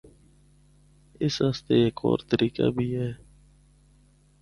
اس اسطے ہک ہور طریقہ بھی ہے۔